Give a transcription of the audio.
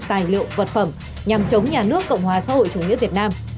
tài liệu vật phẩm nhằm chống nhà nước cộng hòa xã hội chủ nghĩa việt nam